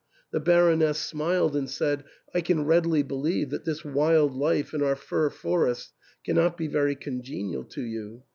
. The Baroness smiled and said, " I can readily believe that this wild life in our fir for ests cannot be very congenial to you.